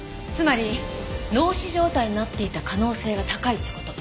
つまり脳死状態になっていた可能性が高いって事。